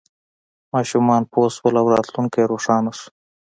ماشومان پوه شول او راتلونکی یې روښانه شو.